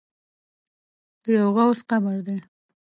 د یوه غوث قبر دی.